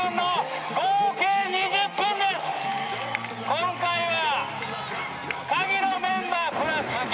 今回は。